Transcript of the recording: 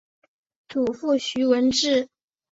祖父徐文质。